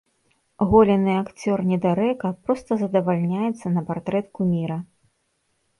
Голены акцёр-недарэка проста задавальняецца на партрэт куміра.